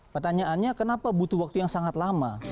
pertanyaannya kenapa butuh waktu yang sangat lama